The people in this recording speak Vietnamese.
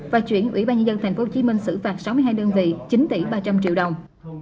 và chuyển ủy ban nhân dân tp hcm xử phạt sáu mươi hai đơn vị chín tỷ ba trăm linh triệu đồng